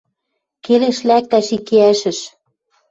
Келеш лӓктӓш икиӓшӹш.